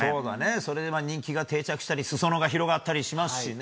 それで人気が定着したり裾野が広がったりしますしね。